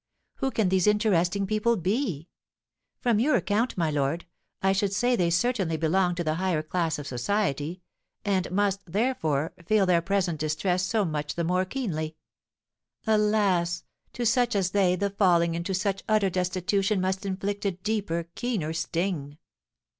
Who can these interesting people be? From your account, my lord, I should say they certainly belong to the higher class of society, and must, therefore, feel their present distress so much the more keenly. Alas, to such as they the falling into such utter destitution must inflict a deeper, keener sting!"